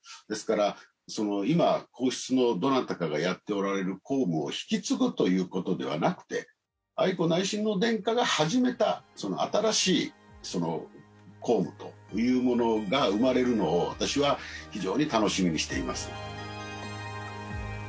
ですから今皇室のどなたかがやっておられる公務を引き継ぐということではなくて愛子内親王殿下が始めた新しい公務というものが生まれるのを私は非常に楽しみにしています。